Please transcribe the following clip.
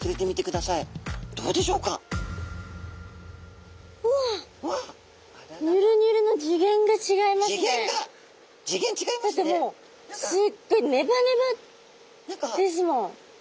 だってもうすっごいネバネバですもん。